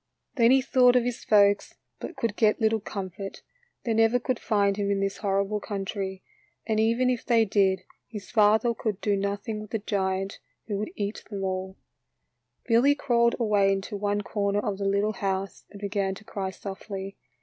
Then he thought of his folks, but could £et little comfort. They never could find him in this horrible country, and even if they did, his father could do nothing with the giant, who would eat them all. BILLY WILSON'S BOX TRAP. 73 Billy crawled away into one corner of the little house and began to cry softly.